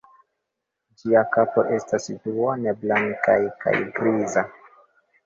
Ĝia kapo estas duone blankaj kaj griza.